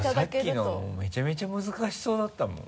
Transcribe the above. さっきのめちゃめちゃ難しそうだったもん。